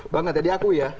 banget ya diakui ya